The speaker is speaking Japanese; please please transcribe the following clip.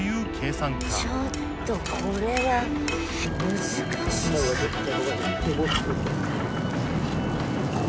ちょっとこれは難しそう。